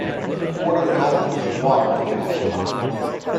A quart of milk is water for the most part.